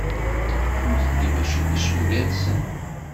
Nutni mačči d icenga-nsen.